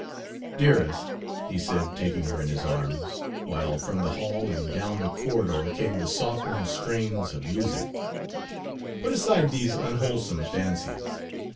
"Dearest," he said, taking her in his arms, while from the hall and down the corridor came the softened strains of music, "put aside these unwholesome fancies.